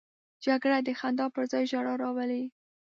جګړه د خندا پر ځای ژړا راولي